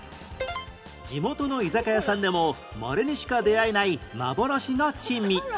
地元の居酒屋さんでもまれにしか出会えない幻の珍味